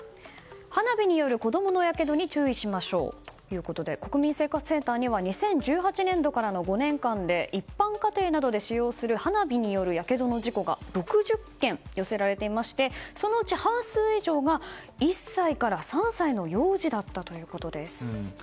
花火による子供のやけどに注意しましょうということで国民生活センターには２０１８年度からの５年間で一般家庭などで使用する花火によるやけどの事故が６０件寄せられていましてそのうち半数以上が１歳から３歳の幼児だったということです。